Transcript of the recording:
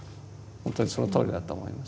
本当にそのとおりだと思います。